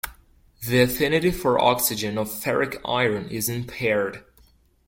The affinity for oxygen of ferric iron is impaired.